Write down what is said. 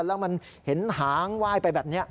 แล้วมันเห็นหางไหว้ไปแบบนี้